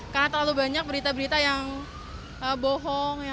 karena terlalu banyak berita berita yang bohong